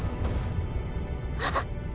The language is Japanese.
あっ！